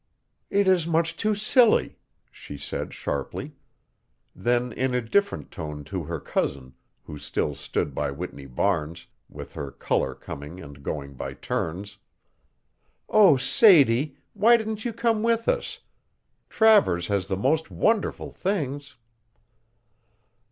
"It is much too silly," she said sharply. Then in a different tone to her cousin, who still stood by Whitney Barnes, with her color coming and going by turns: "Oh, Sadie, why didn't you come with us? Travers has the most wonderful things."